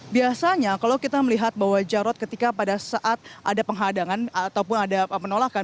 biasanya kalau kita melihat bahwa jarod ketika pada saat ada penghadangan ataupun ada penolakan